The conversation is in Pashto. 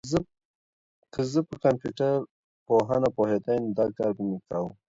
که زه په کمپيوټر پوهنه پوهېدای، نو دا کار به مي کاوه.